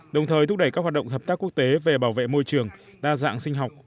đồng thời thúc đẩy các hoạt động hợp tác quốc tế về bảo vệ môi trường đa dạng sinh học